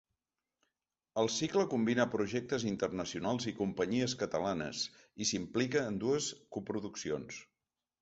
El cicle combina projectes internacionals i companyies catalanes i s’implica en dues coproduccions.